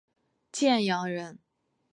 建阳人。